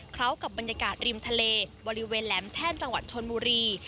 กับบรรยากาศริมทะเลบริเวณแหลมแท่นจังหวัดชนบุรี